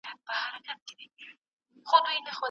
د ژوند حق بايد خوندي وي.